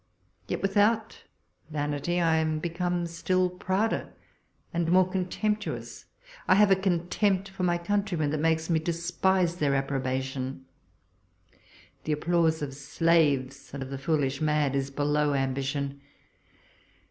Yet with out vanity I am become still prouder and more contemptuous. I have a contempt for my coun trymen that makes me despise their approba tion. The applause of slaves and of the foolish mad is below ambition.